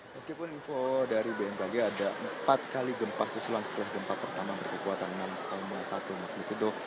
meskipun info dari bmkg ada empat kali gempa susulan setelah gempa pertama berkekuatan enam satu magnitudo